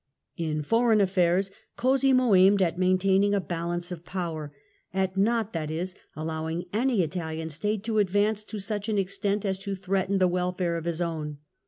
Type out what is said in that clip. In foreign affairs Cosimo aimed at maintaining a Foreign balance of power, at not, that is, allowing any Italian cosfmo" State to advance to such an extent as to threaten the welfare of his own.